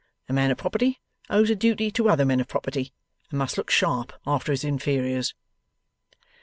A man of property owes a duty to other men of property, and must look sharp after his inferiors.